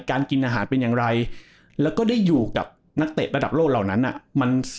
กินอาหารเป็นอย่างไรแล้วก็ได้อยู่กับนักเตะระดับโลกเหล่านั้น